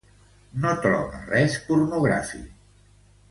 No troba res pornogràfic.